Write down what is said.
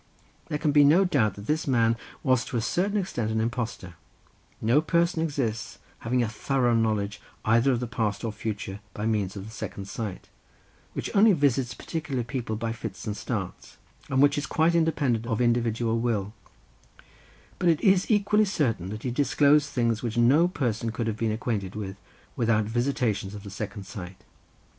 There can be no doubt that this man was to a certain extent an impostor; no person exists having a thorough knowledge either of the past or future by means of the second sight, which only visits particular people by fits and starts, and which is quite independent of individual will; but it is equally certain that he disclosed things which no person could have been acquainted with without visitations of the second sight.